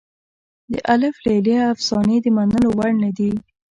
د الف لیله افسانې د منلو وړ نه دي.